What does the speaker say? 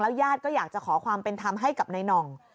แล้วย่าดก็อยากจะขอความเป็นธรรมให้กับในน่อง